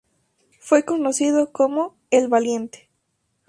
Fue conocido como "el Valiente".